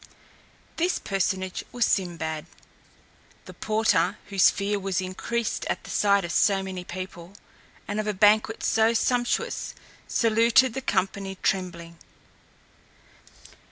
This personage was Sinbad. The porter, whose fear was increased at the sight of so many people, and of a banquet so sumptuous, saluted the company trembling.